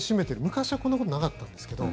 昔はこんなことなかったんですけど。